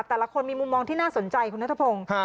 แต่ละคนมีมุมมองที่น่าสนใจคุณนัทพงศ์